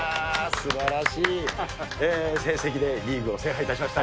すばらしい成績でリーグを制覇いたしました。